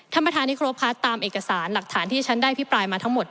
ท่านประธานที่ครบค่ะตามเอกสารหลักฐานที่ที่ฉันได้พิปรายมาทั้งหมด